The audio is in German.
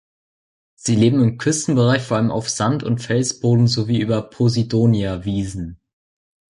Sie leben im Küstenbereich vor allem auf Sand- und Felsboden sowie über "Posidonia"-Wiesen.